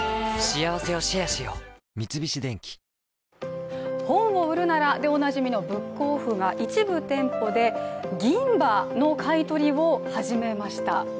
三菱電機「本を売るなら」でおなじみのブックオフが、一部店舗で銀歯の買い取りを始めました。